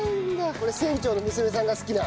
これ船長の娘さんが好きな。